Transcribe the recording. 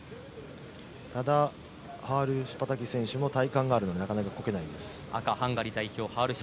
ただ、ハールシュパタキ選手も体幹があるのでなかなかこけないです。